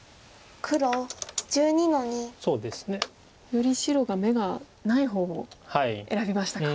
より白が眼がない方を選びましたか。